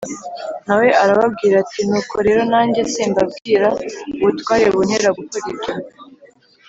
Na we arababwira ati “Nuko rero nanjye simbabwira ubutware buntera gukora ibyo